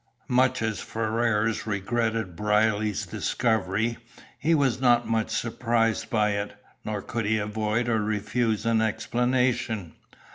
Much as Ferrars regretted Brierly's discovery, he was not much surprised by it, nor could he avoid or refuse an explanation.